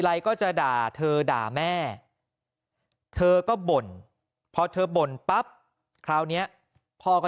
อะไรก็จะด่าเธอด่าแม่เธอก็บ่นพอเธอบ่นปั๊บคราวนี้พ่อก็